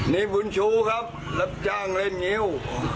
นี่บุญชูครับรับจ้างเล่นงิ้ว